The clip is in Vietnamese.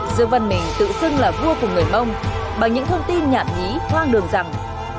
dương văn mình tự xưng là vua của người mông bằng những thông tin nhạn ý hoang đường rằng